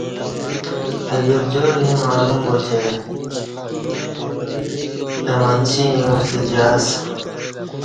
اہ گرجار ییں معلوم با اہ منچی ایمُوستہ جہاز